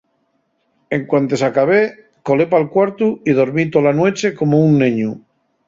En cuantes acabé, colé pal cuartu y dormí tola nueche como un neñu.